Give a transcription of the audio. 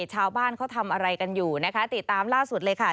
ชาวบ้านเขาทำอะไรกันอยู่นะคะติดตามล่าสุดเลยค่ะ